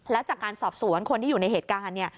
แล้วจากการสอบสวนคนที่อยู่ในเหตุการณ์เนี่ย